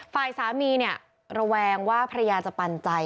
ฝ่ายสามีเนี่ยระแวงว่าภรรยาจะปันใจ